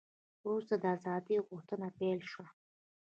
وروسته د ازادۍ غوښتنه پیل شوه.